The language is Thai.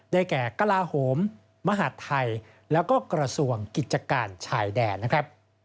แก่กลาโหมมหาดไทยแล้วก็กระทรวงกิจการชายแดนนะครับ